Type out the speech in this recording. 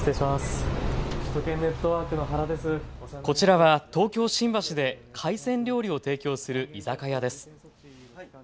こちらは東京新橋で海鮮料理を提供する居酒屋です。